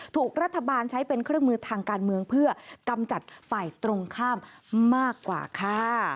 ถูกรัฐบาลใช้เป็นเครื่องมือทางการเมืองเพื่อกำจัดฝ่ายตรงข้ามมากกว่าค่ะ